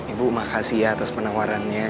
ibu makasih ya atas penawarannya